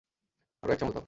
আরো এক চামচ দাও।